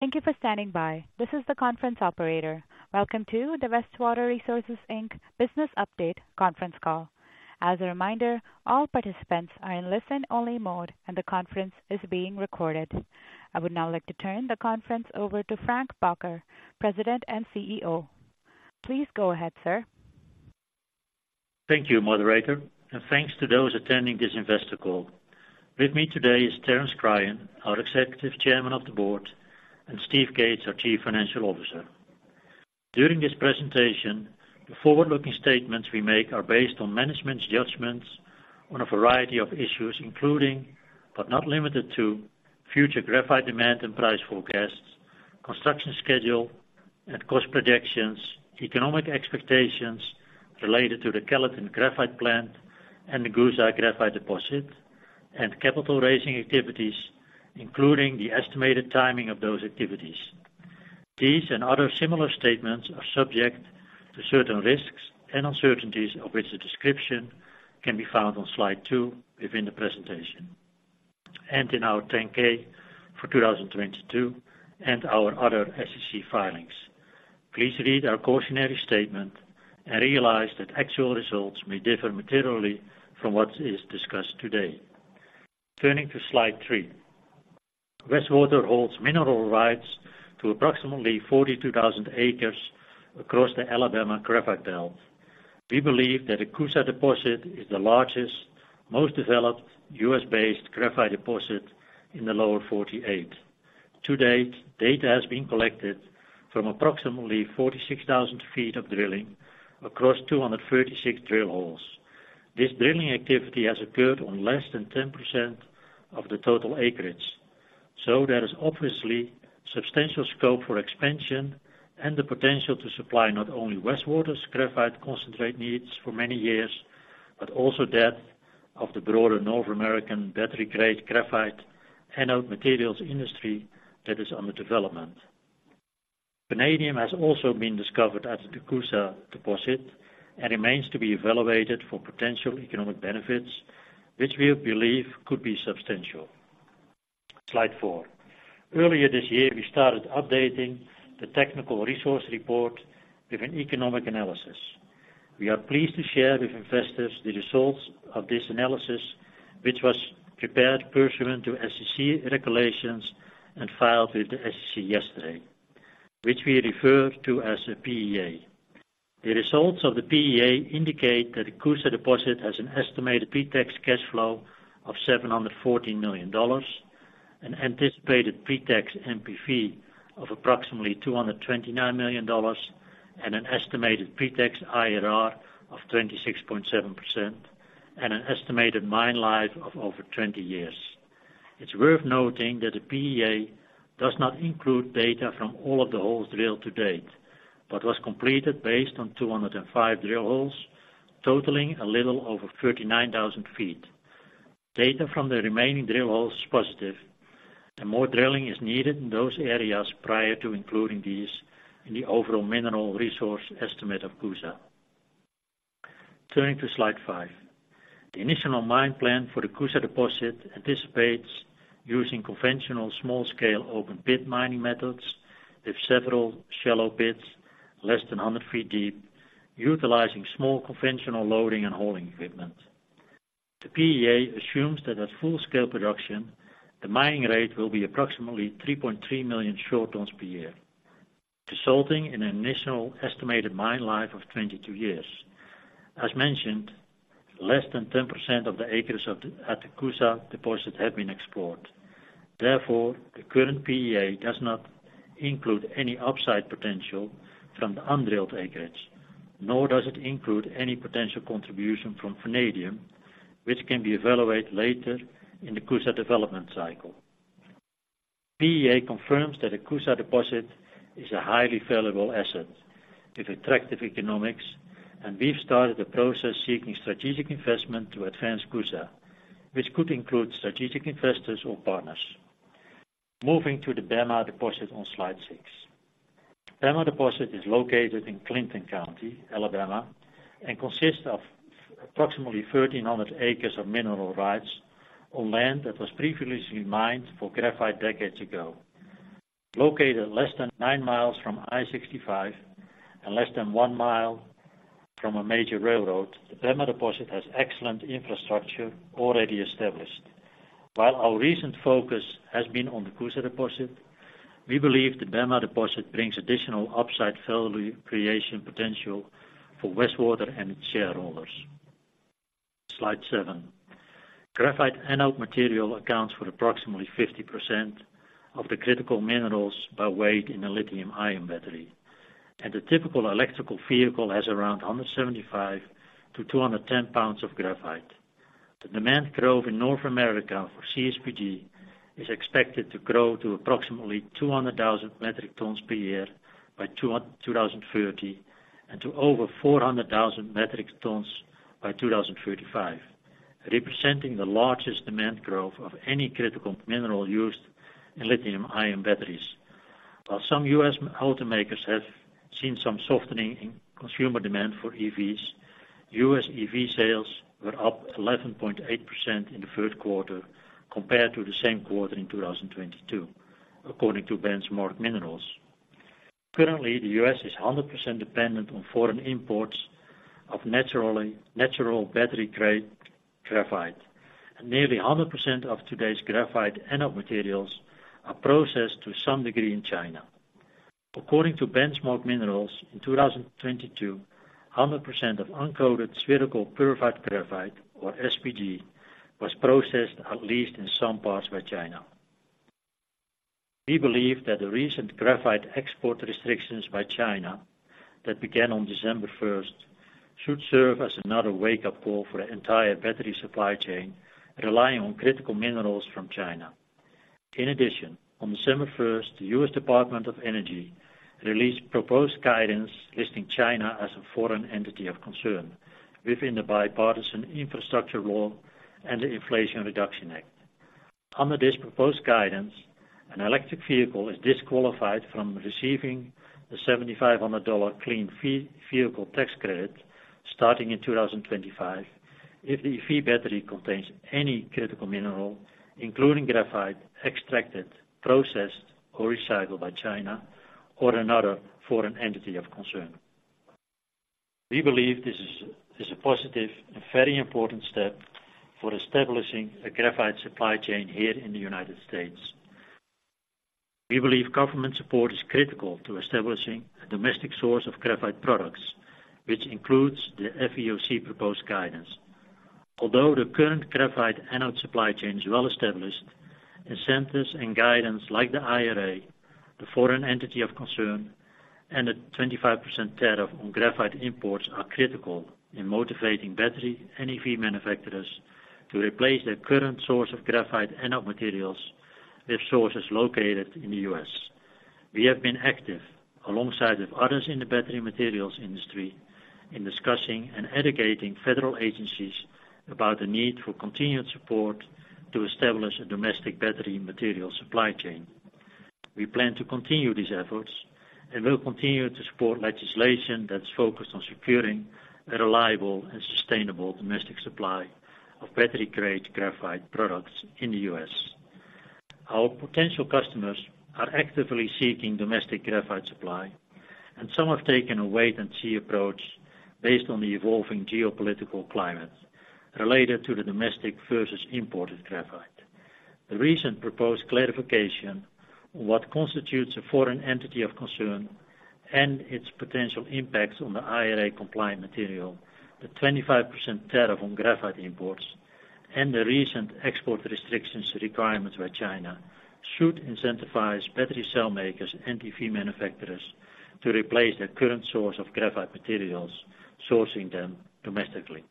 Thank you for standing by. This is the conference operator. Welcome to the Westwater Resources, Inc. Business Update conference call. As a reminder, all participants are in listen-only mode, and the conference is being recorded. I would now like to turn the conference over to Frank Bakker, President and CEO. Please go ahead, sir. Thank you, moderator, and thanks to those attending this investor call. With me today is Terence Cryan, our Executive Chairman of the Board, and Steve Cates, our Chief Financial Officer. During this presentation, the forward-looking statements we make are based on management's judgments on a variety of issues, including, but not limited to, future graphite demand and price forecasts, construction schedule and cost projections, economic expectations related to the Kellyton Graphite Plant and the Coosa Graphite Deposit, and capital raising activities, including the estimated timing of those activities. These and other similar statements are subject to certain risks and uncertainties, of which the description can be found on slide two within the presentation and in our 10-K for 2022, and our other SEC filings. Please read our cautionary statement and realize that actual results may differ materially from what is discussed today. Turning to slide three. Westwater holds mineral rights to approximately 42,000 acres across the Alabama Graphite Belt. We believe that the Coosa deposit is the largest, most developed U.S.-based graphite deposit in the Lower 48. To date, data has been collected from approximately 46,000 feet of drilling across 236 drill holes. This drilling activity has occurred on less than 10% of the total acreage, so there is obviously substantial scope for expansion and the potential to supply not only Westwater's graphite concentrate needs for many years, but also that of the broader North American battery-grade graphite anode materials industry that is under development. Vanadium has also been discovered at the Coosa deposit and remains to be evaluated for potential economic benefits, which we believe could be substantial. Slide four. Earlier this year, we started updating the technical resource report with an economic analysis. We are pleased to share with investors the results of this analysis, which was prepared pursuant to SEC regulations and filed with the SEC yesterday, which we refer to as a PEA. The results of the PEA indicate that the Coosa deposit has an estimated pre-tax cash flow of $714 million, an anticipated pre-tax NPV of approximately $229 million, and an estimated pre-tax IRR of 26.7%, and an estimated mine life of over 20 years. It's worth noting that the PEA does not include data from all of the holes drilled to date, but was completed based on 205 drill holes, totaling a little over 39,000 feet. Data from the remaining drill holes is positive, and more drilling is needed in those areas prior to including these in the overall mineral resource estimate of Coosa. Turning to slide 5. The initial mine plan for the Coosa deposit anticipates using conventional, small-scale, open pit mining methods with several shallow pits, less than 100 feet deep, utilizing small conventional loading and hauling equipment. The PEA assumes that at full-scale production, the mining rate will be approximately 3.3 million short tons per year, resulting in an initial estimated mine life of 22 years. As mentioned, less than 10% of the acres at the Coosa deposit have been explored. Therefore, the current PEA does not include any upside potential from the undrilled acreage, nor does it include any potential contribution from vanadium, which can be evaluated later in the Coosa development cycle. PEA confirms that the Coosa deposit is a highly valuable asset with attractive economics, and we've started the process seeking strategic investment to advance Coosa, which could include strategic investors or partners. Moving to the Bama deposit on slide six. Bama deposit is located in Chilton County, Alabama, and consists of approximately 1,300 acres of mineral rights on land that was previously mined for graphite decades ago. Located less than nine miles from I-65 and less than 1 mile from a major railroad, the Bama deposit has excellent infrastructure already established. While our recent focus has been on the Coosa deposit, we believe the Bama deposit brings additional upside value creation potential for Westwater and its shareholders. Slide seven. Graphite anode material accounts for approximately 50% of the critical minerals by weight in a lithium-ion battery, and the typical electric vehicle has around 175-210 lbs of graphite. The demand growth in North America for CSPG is expected to grow to approximately 0.2 million metric tons per year by 2030, and to over 0.4 million metric tons by 2035, representing the largest demand growth of any critical mineral used in lithium-ion batteries. While some U.S. automakers have seen some softening in consumer demand for EVs. U.S. EV sales were up 11.8% in the third quarter compared to the same quarter in 2022, according to Benchmark Minerals. Currently, the U.S. is 100% dependent on foreign imports of natural battery-grade graphite, and nearly 100% of today's graphite anode materials are processed to some degree in China. According to Benchmark Minerals, in 2022, 100% of uncoated spherical purified graphite, or SPG, was processed at least in some parts by China. We believe that the recent graphite export restrictions by China, that began on December first, should serve as another wake-up call for the entire battery supply chain, relying on critical minerals from China. In addition, on December first, the U.S. Department of Energy released proposed guidance, listing China as a foreign entity of concern within the Bipartisan Infrastructure Law and the Inflation Reduction Act. Under this proposed guidance, an electric vehicle is disqualified from receiving the $7,500 clean vehicle tax credit starting in 2025, if the EV battery contains any critical mineral, including graphite, extracted, processed, or recycled by China or another foreign entity of concern. We believe this is a positive and very important step for establishing a graphite supply chain here in the United States. We believe government support is critical to establishing a domestic source of graphite products, which includes the FEOC proposed guidance. Although the current graphite anode supply chain is well established, incentives and guidance like the IRA, the Foreign Entity of Concern, and the 25% tariff on graphite imports are critical in motivating battery and EV manufacturers to replace their current source of graphite anode materials with sources located in the U.S. We have been active, alongside with others in the battery materials industry, in discussing and educating federal agencies about the need for continued support to establish a domestic battery material supply chain. We plan to continue these efforts and will continue to support legislation that's focused on securing a reliable and sustainable domestic supply of battery-grade graphite products in the U.S. Our potential customers are actively seeking domestic graphite supply, and some have taken a wait and see approach based on the evolving geopolitical climate related to the domestic versus imported graphite. The recent proposed clarification on what constitutes a Foreign Entity of Concern and its potential impacts on the IRA-compliant material, the 25% tariff on graphite imports, and the recent export restrictions requirements by China, should incentivize battery cell makers and EV manufacturers to replace their current source of graphite materials, sourcing them domestically.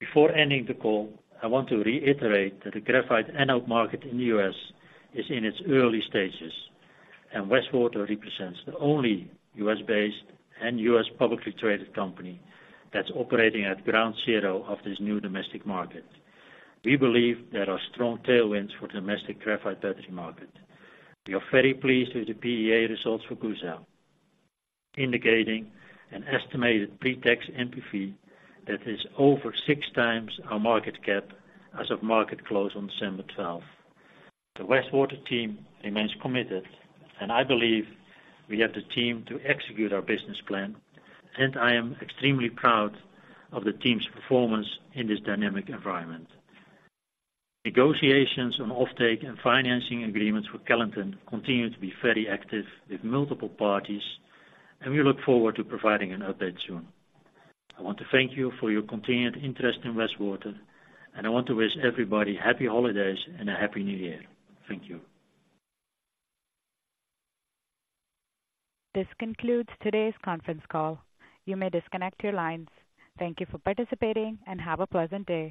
Before ending the call, I want to reiterate that the graphite anode market in the U.S. is in its early stages, and Westwater represents the only U.S.-based and U.S. publicly traded company that's operating at ground zero of this new domestic market. We believe there are strong tailwinds for the domestic graphite battery market. We are very pleased with the PEA results for Coosa, indicating an estimated pre-tax NPV that is over six times our market cap as of market close on December twelfth. The Westwater team remains committed, and I believe we have the team to execute our business plan, and I am extremely proud of the team's performance in this dynamic environment. Negotiations on offtake and financing agreements with Kellyton continue to be very active with multiple parties, and we look forward to providing an update soon. I want to thank you for your continued interest in Westwater, and I want to wish everybody happy holidays and a happy new year. Thank you. This concludes today's conference call. You may disconnect your lines. Thank you for participating, and have a pleasant day.